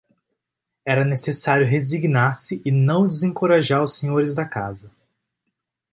Era necessário resignar-se e não desencorajar os senhores da casa.